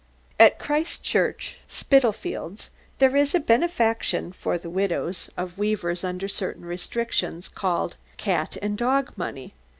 At Christ Church, Spitalfields, there is a benefaction for the widows of weavers under certain restrictions, called "cat and dog money."